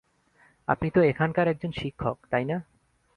আপনি তো এখানকার একজন শিক্ষক, তাই না?